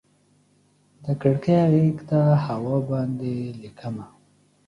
د کړکۍ غیږ ته هوا باندې ليکمه